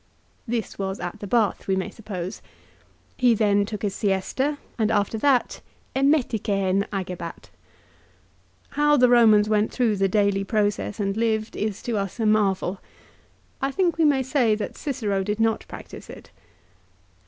This was at the bath we may suppose. He then tool: his siesta, and after that " epeTiKrjv agebat." How the Eomans went through the daily process and lived is to MARCELLUS, LIGARIUS, AND DEIOTARUS. 203 us a marvel. I think we may say that Cicero did not practise it.